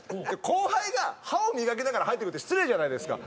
後輩が歯を磨きながら入ってくるって失礼じゃないですか。